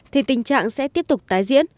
thì tình trạng sẽ tiếp tục tái diễn